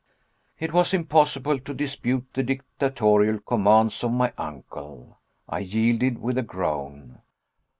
It was impossible to dispute the dictatorial commands of my uncle. I yielded with a groan.